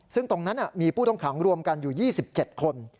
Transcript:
ซึ่งตรงนั้นมีผู้ต้องขังรวมกันอยู่๒๗คน